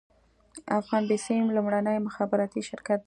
افغان بیسیم لومړنی مخابراتي شرکت دی